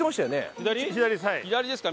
左ですか？